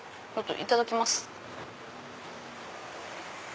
いただきます。